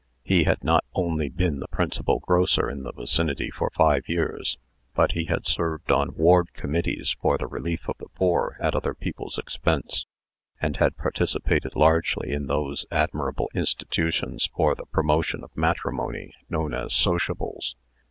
He had not only been the principal grocer in the vicinity for five years, but he had served on Ward Committees for the relief of the poor at other people's expense, and had participated largely in those admirable institutions for the promotion of matrimony known as Sociables.